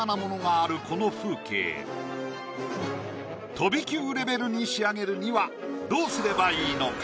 飛び級レベルに仕上げるにはどうすればいいのか？